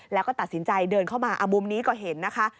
แล้วก็ตัดสินใจเดินเข้ามามุมนี้ก็เห็นนะคะ